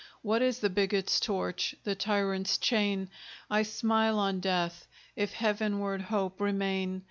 What is the bigot's torch, the tyrant's chain? I smile on death, if Heavenward Hope remain!